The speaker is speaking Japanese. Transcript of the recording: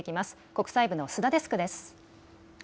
国際部の須田デスクです。